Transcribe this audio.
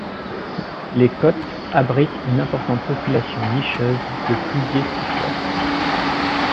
Les côtes abritent une importante population nicheuse de pluvier siffleur.